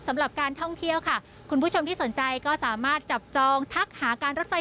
สำหรับการท่องเที่ยวค่ะคุณผู้ชมที่สนใจก็สามารถจับจองทักหาการรถไฟ